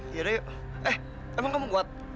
yaudah yuk eh emang kamu kuat